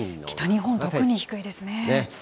北日本、特に低いですね。